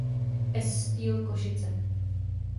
S. Steel Košice.